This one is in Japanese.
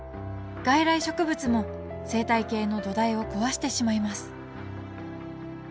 外来植物も生態系の土台を壊してしまいます